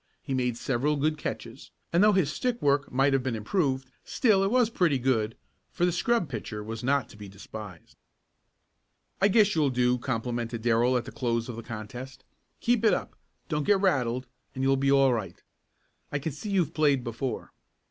He made several good catches, and though his stick work might have been improved, still it was pretty good, for the scrub pitcher was not to be despised. "I guess you'll do," complimented Darrell, at the close of the contest. "Keep it up, don't get rattled, and you'll be all right. I can see you've played before."